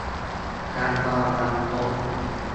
ยังรอวันพบ